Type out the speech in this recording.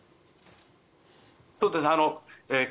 そうですね。